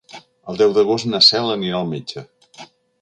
El deu d'agost na Cel anirà al metge.